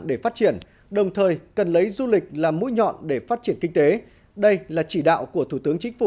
để phát triển đồng thời cần lấy du lịch làm mũi nhọn để phát triển kinh tế đây là chỉ đạo của thủ tướng chính phủ